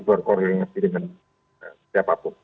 berkoordinasi dengan siapapun